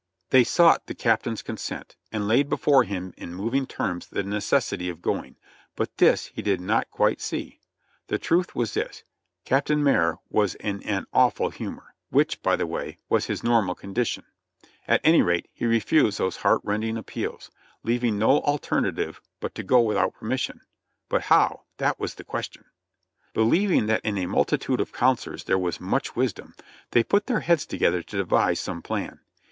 They sought the cap tain's consent, and laid before him in moving terms the necessity of going; but this he did not quite see. The truth was this — Cap tain Marye was in an awful humor, which, by the way, was his nor mal condition; at any rate he refused those heart rending ap peals, leaving no alternative but to go without permission ; but how, that was the question ? Believing that in a multitude of counselors there was much wisdom, they put their heads together to devise some plan.